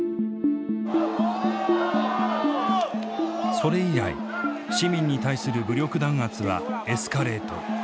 それ以来市民に対する武力弾圧はエスカレート。